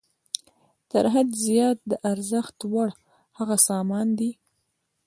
تر حد زیات د ارزښت وړ هغه سامان دی